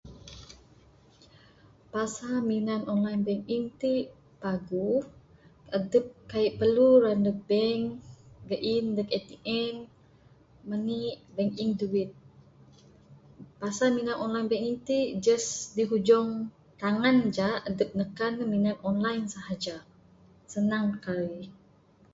Pasal minan online banking ti paguh adep kaik perlu ra neg bank gain neg ATM mani'k banking duit. Pasal minan online banking ti just hujung tangan ja adep nekan ne minan online sahaja senang kaik.